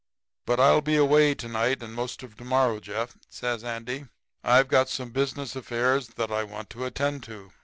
"'But I'll be away to night and most of to morrow Jeff,' says Andy. 'I've got some business affairs that I want to attend to.